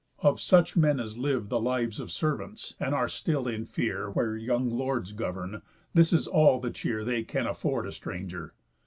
Of such men as live The lives of servants, and are still in fear Where young lords govern, this is all the cheer They can afford a stranger.